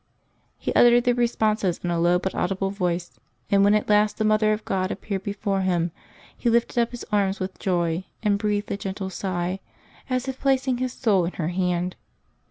He uttered the responses in a low but audible voice; and when at last the Mother of God appeared before him, he lifted up his arms with joy and breathed a gentle sigh, as if placing his soul in her hand.